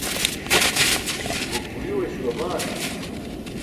gokguyuu śuwa baana